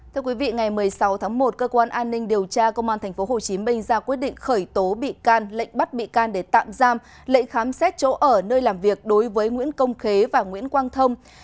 thưa quý vị ngày một mươi sáu tháng một cơ quan an ninh điều tra công an tp hcm ra quyết định khởi tố bị can lệnh bắt bị can để tạm giam lệnh khám xét chỗ ở nơi làm việc đối với nguyễn công khế và nguyễn quang thông